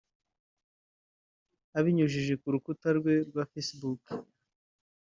abinyujije ku rukuta rwe rwa facebook